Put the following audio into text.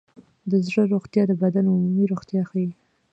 د زړه روغتیا د بدن عمومي روغتیا ښيي.